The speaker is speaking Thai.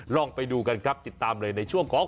ลองไปดูกันครับติดตามเลยในช่วงของ